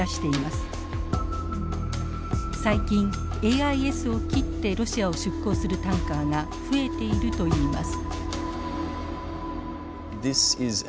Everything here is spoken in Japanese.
最近ＡＩＳを切ってロシアを出港するタンカーが増えているといいます。